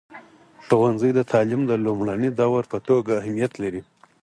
ښوونځی د تعلیم د لومړني دور په توګه اهمیت لري.